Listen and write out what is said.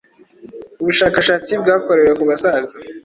ubushakashatsi bwakorewe ku basaza